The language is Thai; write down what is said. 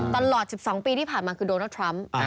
ตลอด๑๒ปีที่ผ่านมาคือโดนัลดทรัมป์